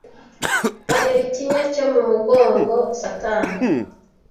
Bantera ikinya cyo mu mugongo satani